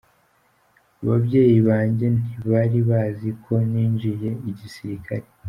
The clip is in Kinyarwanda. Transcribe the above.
Ababyeyi banjye ntibari bazi ko ninjiye igisirikare.